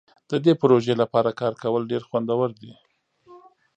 د دې پروژې لپاره کار کول ډیر خوندور دي.